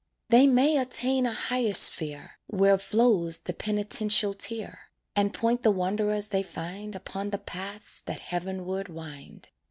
They may attain a higher sphere, Where flows the penitential tear, And point the wanderers they find Upon the paths that heavenward wind.